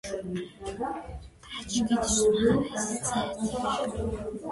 ტაჯიკეთის უმაღლესი წერტილი.